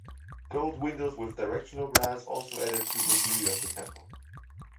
Gold windows with directional glass also added to the beauty of the temple.